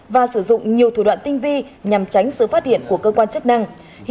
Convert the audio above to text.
và sử dụng nhiều thủ đoạn tinh vi nhằm tránh sự phát hiện của cơ quan chức năng